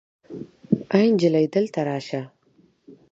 آې انجلۍ دلته راسه